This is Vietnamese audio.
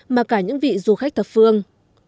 mà cả những vị du khách thập phương